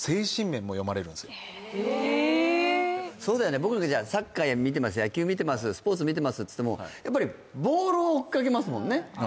僕達はサッカー見てます、野球見てます、スポーツ見てますといってもボールを追っかけますもんね。